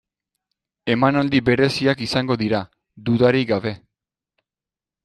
Emanaldi bereziak izango dira, dudarik gabe.